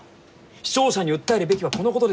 視聴者に訴えるべきはこのことですよ！